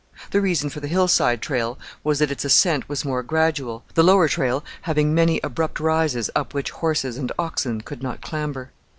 The reason for the hillside trail was that its ascent was more gradual, the lower trail having many abrupt rises up which horses and oxen could not clamber.